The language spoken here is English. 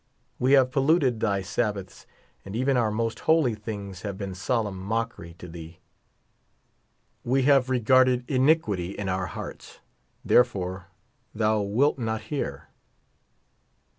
We have polluted thy vSabbaths, and even our most holy things have been solemn mockery to thee. We have re garded iniquity in our hearts, therefore thou wilt not hear.